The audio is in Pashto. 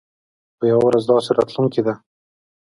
خو يوه ورځ داسې راتلونکې ده.